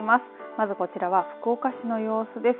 まずこちらは福岡市の様子です。